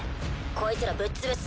こいつらぶっ潰すぞ。